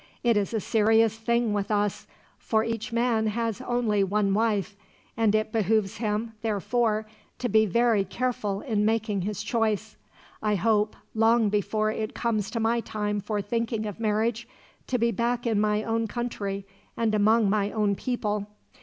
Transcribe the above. It is a serious thing with us, for each man has only one wife; and it behooves him, therefore, to be very careful in making his choice. I hope, long before it comes to my time for thinking of marriage, to be back in my own country and among my own people.